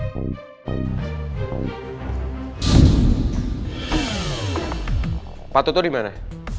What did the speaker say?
patut tuh dimana